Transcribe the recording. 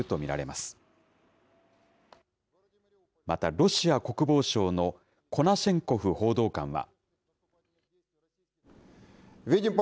またロシア国防省のコナシェンコフ報道官は。